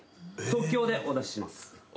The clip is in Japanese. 即興でお出しします。